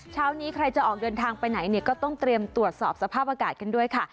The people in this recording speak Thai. เช้านี้ใครจะออกเดินทางไปไหนเนี่ยก็ต้องเตรียมตรวจสอบสภาพอากาศกันด้วยค่ะ